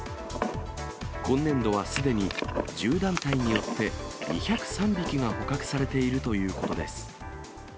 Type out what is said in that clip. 今年度はすでに１０団体によって、２０３匹が捕獲されているということです。